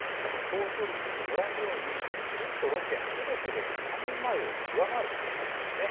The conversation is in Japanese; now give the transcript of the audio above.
投票率はご覧のように１都６県すべてで３年前を上回る結果となったんですね。